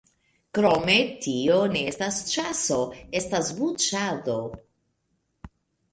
Krome, tio ne estas ĉaso: estas buĉado.